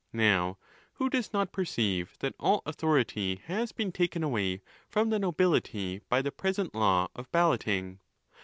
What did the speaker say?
Now, who does not per ceive that all authority has been taken away from the nobility by the present law of balloting!